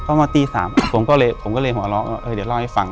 ครับตอนมาตี๓ผมก็เลยผมก็เลยหัวงครัวเดี๋ยวเล่าให้ฟัง